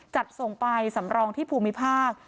จัดส่งไปสำรองที่ภูมิภาค